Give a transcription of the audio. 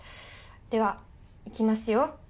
ではいきますよ。